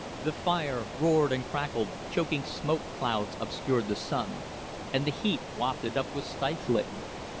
The fire roared and crackled, choking smoke clouds obscured the sun, and the heat wafted up was stifling.